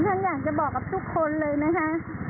ฉันอยากจะบอกกับทุกคนเลยนะคะ